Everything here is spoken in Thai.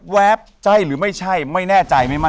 เคยเจอผีกันบ้างมะ